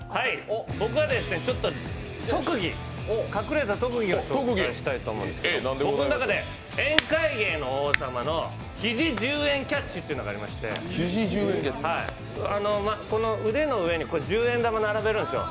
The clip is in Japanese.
僕はちょっと特技、隠れた特技を紹介したいと思うんですけど、僕の中で宴会芸の王様の肘１０円キャッチというのがありまして腕の上に十円玉を並べるんですよ。